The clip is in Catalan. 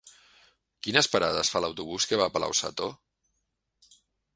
Quines parades fa l'autobús que va a Palau-sator?